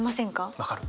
分かる。